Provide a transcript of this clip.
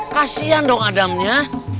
kasian dong adamnya